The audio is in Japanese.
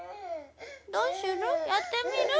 どうする？